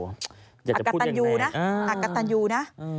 อยากจะพูดอย่างไรอากตันอยู่นะอากตันอยู่นะอืม